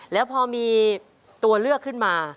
แล้วพอมีตัวเลือกขึ้นมา